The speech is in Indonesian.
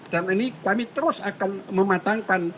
dan ini kami terus akan mematangkan